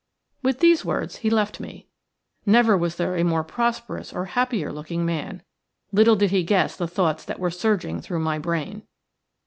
With these words he left me. Never was there a more prosperous or happier looking man. Little did he guess the thoughts that were surging through my brain.